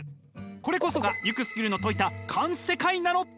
これこそがユクスキュルの説いた環世界なのです。